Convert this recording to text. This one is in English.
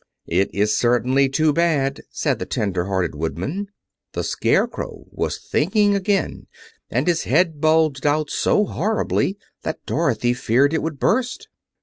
"It is certainly too bad!" said the tender hearted Woodman. The Scarecrow was thinking again, and his head bulged out so horribly that Dorothy feared it would burst.